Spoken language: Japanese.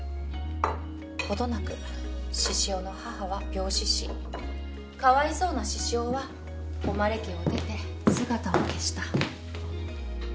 程なく獅子雄の母は病死しかわいそうな獅子雄は誉家を出て姿を消した。